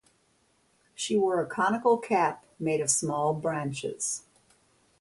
She wore a conical cap made of small branches.